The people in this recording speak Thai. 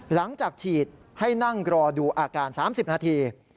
หลังจากฉีดให้นั่งรอดูอาการ๓๐นาที